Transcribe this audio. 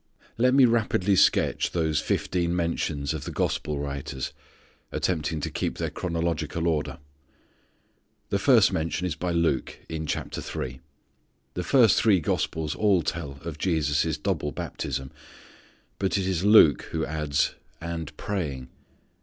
Let me rapidily sketch those fifteen mentions of the gospel writers, attempting to keep their chronological order. The first mention is by Luke, in chapter three. The first three gospels all tell of Jesus' double baptism, but it is Luke who adds, "and praying."